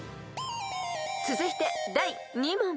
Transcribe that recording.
［続いて第２問］